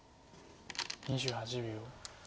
２８秒。